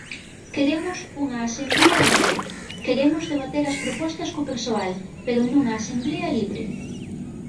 Queremos unha asemblea libre Queremos debater as propostas co persoal, pero nunha asemblea libre.